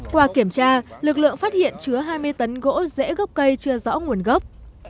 qua kiểm tra lực lượng phát hiện chứa hai mươi tấn gỗ rễ gốc cây chưa rõ nguồn gốc